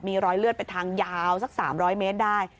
มีรอยเลือดเป็นทางยาวสัก๓๐๐เมตรได้